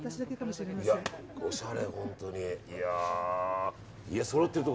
おしゃれ、本当に。